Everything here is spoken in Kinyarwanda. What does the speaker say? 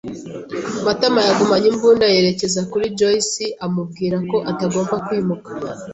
Matama yagumanye imbunda yerekeza kuri Joyci amubwira ko atagomba kwimuka.